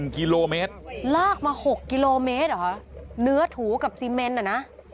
กิโลเมตรลากมา๖กิโลเมตรเหรอคะเนื้อถูกับซีเมนอ่ะนะ